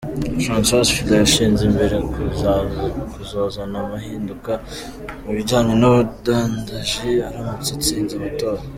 Francois Fillon yashize imbere kuzozana amahinduka mu bijanye n'ubudandaji aramutse atsinze amatora.